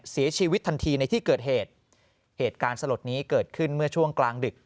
เสียชีวิตทันทีในที่เกิดเหตุเหตุการณ์สลดนี้เกิดขึ้นเมื่อช่วงกลางดึก